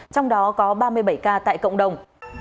trong đó có ba mươi bảy ca tại cộng đồng